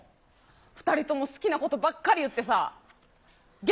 ２人とも好きなことばっかり言ってさ。